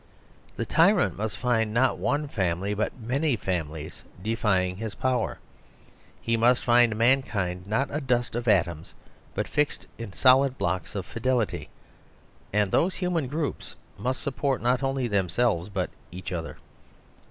The tyrant must find not one family but many families defying his power ; he must find mankind not a dust of atoms, but fixed in solid blocks of fidelity. And those human groups must sup port not only themselves but each other.